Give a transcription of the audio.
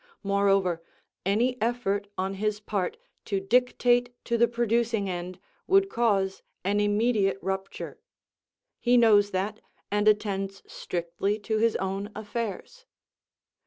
Moreover, any effort on his part to dictate to the producing end would cause an immediate rupture. He knows that, and attends strictly to his own affairs.